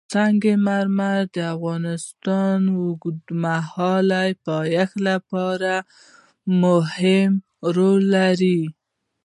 سنگ مرمر د افغانستان د اوږدمهاله پایښت لپاره مهم رول لري.